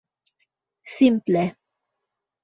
simple